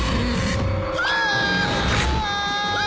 うわ！！